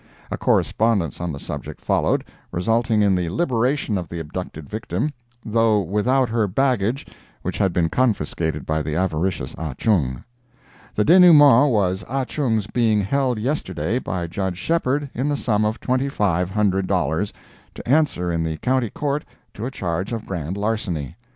A correspondence on the subject followed, resulting in the liberation of the abducted victim; though without her baggage, which had been confiscated by the avaricious Ah Chung. The denouement was Ah Chung's being held yesterday, by Judge Shepheard, in the sum of twenty five hundred dollars, to answer in the County Court to a charge of grand larceny.